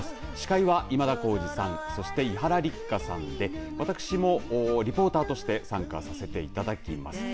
司会が今田耕司さんそして伊原六花さんで私もリポーターとして参加させていただきます。